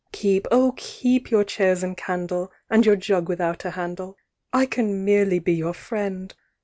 "Keep, oh I keep your chairs and candle, "And your jug without a handle, "I can merely be your friend!